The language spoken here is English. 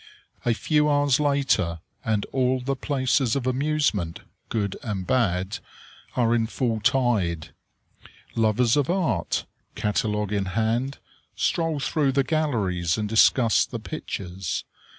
A few hours later, and all the places of amusement, good and bad, are in full tide. Lovers of art, catalogue in hand, stroll through the galleries and discuss the pictures.